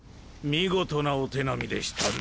見事なお手並みでしたな。